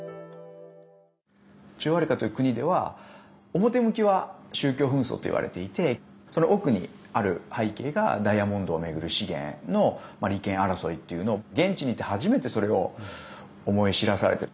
中央アフリカという国では表向きは宗教紛争といわれていてその奥にある背景がダイヤモンドを巡る資源の利権争いというのを現地に行って初めてそれを思い知らされる。